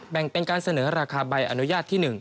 แบ่งเป็นการเสนอราคาใบอนุญาตที่๑